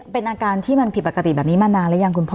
เป็นอาการที่มันผิดปกติแบบนี้มานานหรือยังคุณพ่อ